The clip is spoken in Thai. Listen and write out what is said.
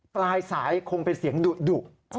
ปลายสายคงเป็นเสียงดุ